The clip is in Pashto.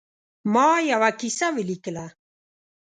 ما یوه کیسه ولیکله.